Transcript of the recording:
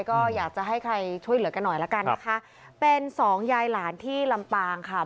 ก็อยากจะให้ใครช่วยเหลือกันหน่อยละกันนะคะเป็นสองยายหลานที่ลำปางค่ะ